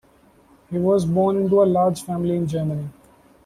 He was born into a large family in Germany.